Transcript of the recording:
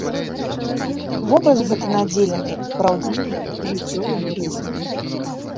Вобраз гэты надзелены праўдзівымі жыццёвымі рысамі.